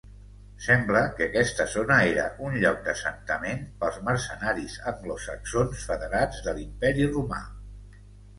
Sembla que aquesta zona era un lloc d'assentament pels mercenaris anglosaxons federats de l'Imperi Romà.